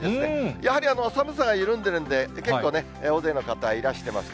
やはり寒さが緩んでるんで、結構ね、大勢の方、いらしてます